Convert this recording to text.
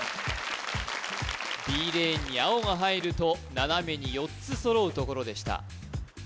Ｂレーンに青が入ると斜めに４つ揃うところでした